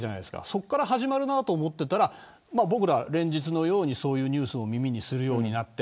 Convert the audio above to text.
そこから始まると思っていたら連日のようにそういうニュースを耳にするようになって。